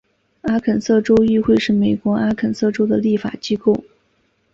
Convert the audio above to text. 阿肯色州议会是美国阿肯色州的立法机构。